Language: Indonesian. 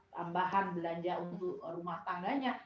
tambahan belanja untuk rumah tangganya